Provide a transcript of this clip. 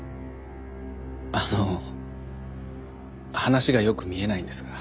あの話がよく見えないんですが。